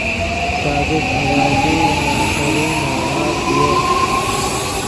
صادق عباسی ین آخری نواب ڤیو